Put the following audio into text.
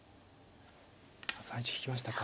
３一に引きましたか。